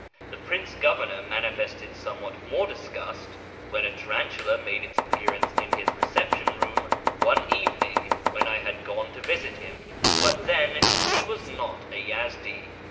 The Prince Governor manifested somewhat more disgust when a tarantula made its appearance in his reception room one evening when I had gone to visit him ; but then he was not a Yezdi.